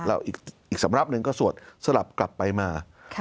แล้วอีกสำรับหนึ่งก็สวดสลับกลับไปมา